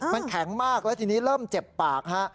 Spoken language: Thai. มันแข็งมากแล้วทีนี้เริ่มเจ็บปากฮะ